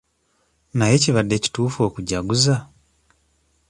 Naye kibadde kituufu okujaguza?